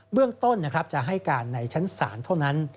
เรื่องต้นจะให้การในชั้นศาลเท่านั้น